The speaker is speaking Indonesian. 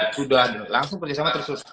sudah langsung bekerjasama terus terus